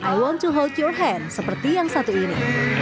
i want to helture hand seperti yang satu ini